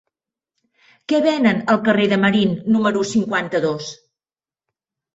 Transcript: Què venen al carrer de Marín número cinquanta-dos?